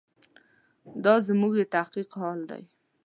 دا زموږ د تحقیق حال دی.